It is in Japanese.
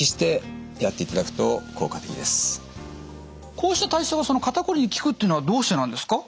こうした体操が肩こりに効くっていうのはどうしてなんですか？